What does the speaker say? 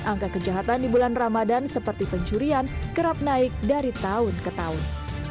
angka kejahatan di bulan ramadan seperti pencurian kerap naik dari tahun ke tahun